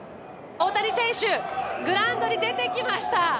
大谷選手、グラウンドに出てきました。